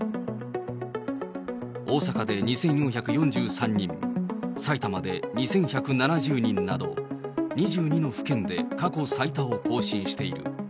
大阪で２４４３人、埼玉で２１７０人など、２２の府県で過去最多を更新している。